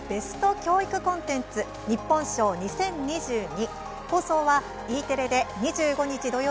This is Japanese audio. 教育コンテンツ日本賞２０２２」。